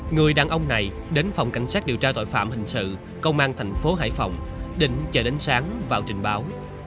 người đàn ông này đến phòng cảnh sát điều tra tội phạm hình sự công an thành phố hải phòng định chờ đến sáng vào trình báo